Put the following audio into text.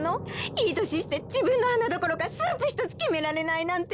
いいとししてじぶんのはなどころかスープひとつきめられないなんて！